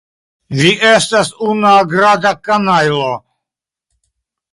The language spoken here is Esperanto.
Vi estas unuagrada kanajlo.